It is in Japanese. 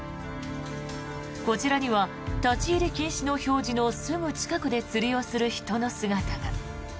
こちらには立ち入り禁止の表示のすぐ近くで釣りをする人の姿が。